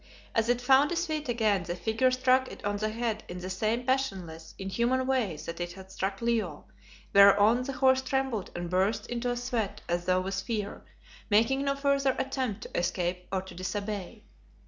As it found its feet again the figure struck it on the head in the same passionless, inhuman way that it had struck Leo, whereon the horse trembled and burst into a sweat as though with fear, making no further attempt to escape or to disobey.